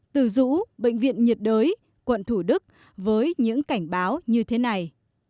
từ dũ bệnh viện nhiệt đới quận thủ đức với những cảnh báo như thế này